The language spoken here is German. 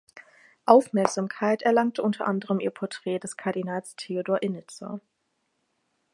Aufmerksamkeit erlangte unter anderem ihr Porträt des Kardinals Theodor Innitzer.